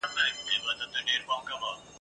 بیا به اورو له مطربه جهاني ستا غزلونه ..